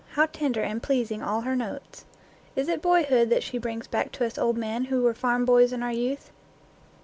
How tender and pleasing all her notes ! Is it boyhood that she brings back to us old men who were farm boys in our youth?